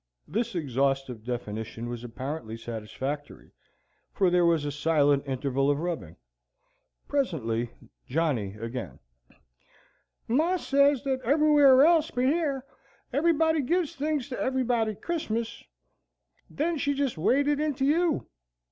This exhaustive definition was apparently satisfactory, for there was a silent interval of rubbing. Presently Johnny again: "Mar sez that everywhere else but yer everybody gives things to everybody Chrismiss, and then she jist waded inter you.